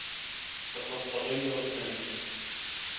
لقد تغيّر سامي.